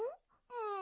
うん。